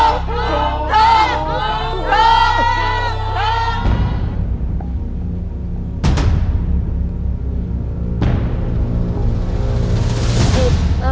ถูกข้อนี้นะ